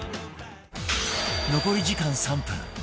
残り時間３分